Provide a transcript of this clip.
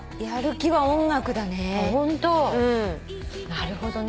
なるほどね。